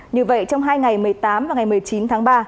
như vậy trong hai ngày một mươi tám và ngày một mươi chín tháng ba